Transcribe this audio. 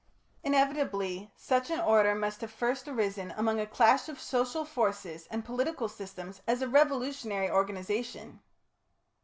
Inevitably such an order must have first arisen among a clash of social forces and political systems as a revolutionary organisation.